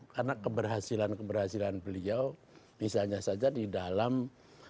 karena keberhasilan keberhasilan beliau misalnya saja di dalam katakanlah secara konkret